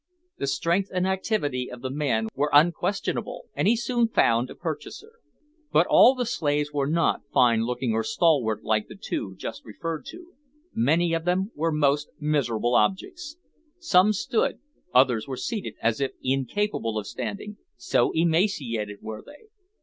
The strength and activity of the man were unquestionable, and he soon found a purchaser. But all the slaves were not fine looking or stalwart like the two just referred to. Many of them were most miserable objects. Some stood, others were seated as if incapable of standing, so emaciated were they.